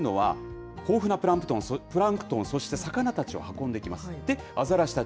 流氷というのは豊富なプランクトンそして魚たちを運んできます。